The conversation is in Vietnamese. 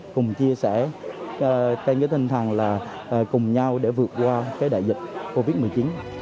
cùng chia sẻ trên cái tinh thần là cùng nhau để vượt qua cái đại dịch covid một mươi chín